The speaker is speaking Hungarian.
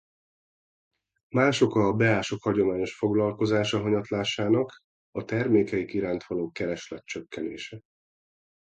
Más oka a beások hagyományos foglalkozása hanyatlásának a termékeik iránt való kereslet csökkenése.